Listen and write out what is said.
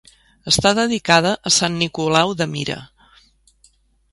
Està dedicada a Sant Nicolau de Mira.